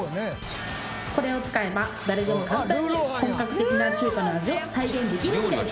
これを使えば誰でも簡単に本格的な中華の味を再現できるんです